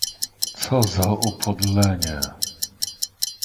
"co za upodlenie!..."